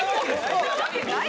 そんなわけない！